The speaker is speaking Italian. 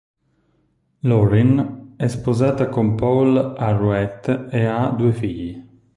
Lauren è sposata con Paul Arrouet e ha due figli.